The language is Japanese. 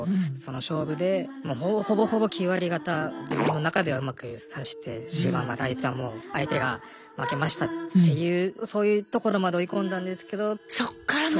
その勝負でもうほぼほぼ９割方自分の中ではうまく指して終盤相手はもう相手が「負けました」っていうそういうところまで追い込んだんですけど。